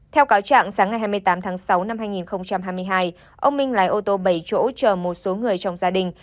theo cáo trạng sáng ngày hai mươi tám tháng sáu năm hai nghìn hai mươi hai ông minh lái ô tô bảy chỗ chờ một số người trong gia đình